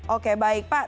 oke baik pak